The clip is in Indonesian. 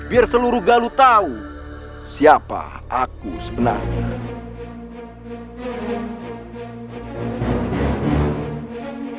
biar seluruh galu tahu siapa aku sebenarnya